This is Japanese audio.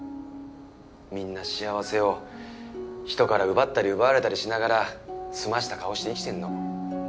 みんな幸せを人から奪ったり奪われたりしながらすました顔して生きてんの。